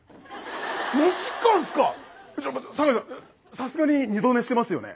さすがに二度寝してますよね。